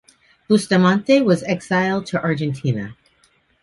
Bustamante was exiled to Argentina.